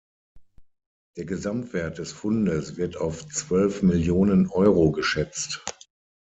Der Gesamtwert des Fundes wird auf zwölf Millionen Euro geschätzt.